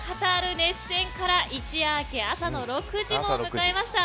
熱戦から一夜明け朝の６時を迎えました。